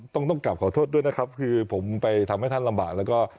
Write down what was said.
ต้องต้องกลับขอโทษด้วยนะครับคือผมไปทำให้ท่านลำบากแล้วก็